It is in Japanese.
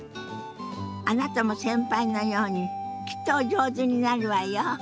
あなたも先輩のようにきっとお上手になるわよ。